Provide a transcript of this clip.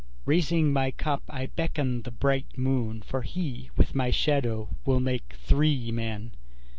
Raising my cup I beckon the bright moon, For he, with my shadow, will make three men.